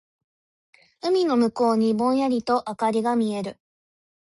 海の向こうにぼんやりと灯りが見える。